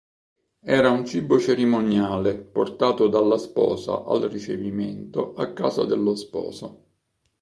Era un cibo cerimoniale portato dalla sposa al ricevimento a casa dello sposo.